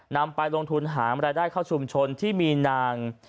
นำไปลงทุนหามรายได้เข้าชุมชนที่มีนาง